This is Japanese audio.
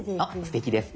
すてきです。